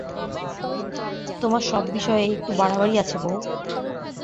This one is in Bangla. তোমার সব বিষয়েই একটু বাড়াবাড়ি আছে বৌ।